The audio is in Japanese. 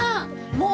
もう！